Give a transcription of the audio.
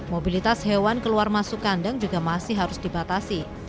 mobilitas hewan keluar masuk kandang juga masih harus dibatasi